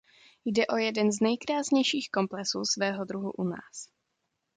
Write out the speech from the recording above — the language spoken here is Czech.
Jde o jeden z nejkrásnějších komplexů svého druhu u nás.